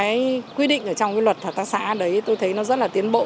thì nó có những quy định ở trong luật hợp tác xã đấy tôi thấy nó rất là tiến bộ